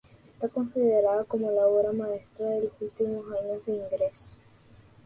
Está considerada como la obra maestra de los últimos años de Ingres.